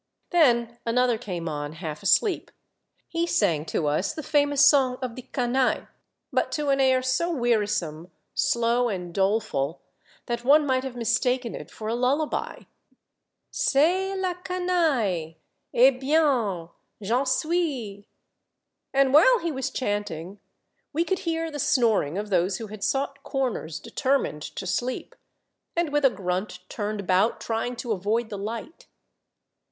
Then another came on, half asleep ; he sang to us the famous song of the Canaille, but to an air so wearisome, slow, and doleful that one might have mistaken it for a lullaby, —*' Oest la canaille ,— eh bien ! j'en siiis ;" and while he was chant ing, we could hear the snoring of those who had sought corners determined to sleep, and with a grunt turned about trying to avoid the light.